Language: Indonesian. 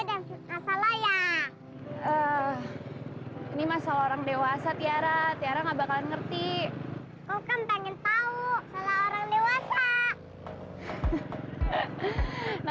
ini masalah orang dewasa tiara tiara nggak bakalan ngerti pengen tahu orang dewasa